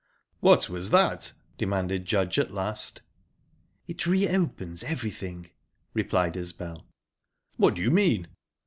"What was that?" demanded Judge at last. "It reopens everything," replied Isbel. "What do you mean?"